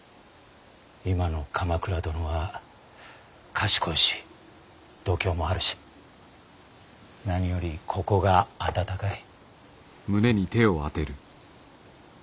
今の鎌倉殿は賢いし度胸もあるし何よりここが温かい。